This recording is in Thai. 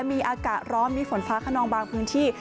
มีอากาศร้อนมีฝนฟ้าขนองบางพื้นที่